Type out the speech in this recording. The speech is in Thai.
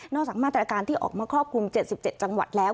จากมาตรการที่ออกมาครอบคลุม๗๗จังหวัดแล้ว